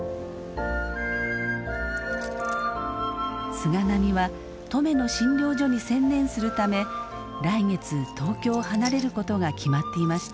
菅波は登米の診療所に専念するため来月東京を離れることが決まっていました。